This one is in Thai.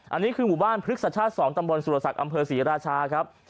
อันนี้คือหมู่บ้านพฤกษชาติ๒ตำบลสุรศักดิ์อำเภอศรีราชาครับ